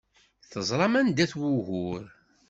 Teẓram anda-t wugur.